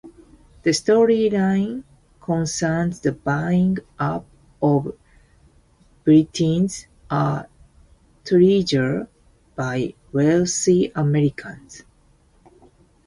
The storyline concerns the buying up of Britain's art treasures by wealthy Americans.